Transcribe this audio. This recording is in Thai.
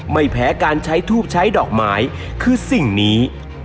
ไม่แพ้การใช้ทูบใช้ดอกไม้คือสิ่งนี้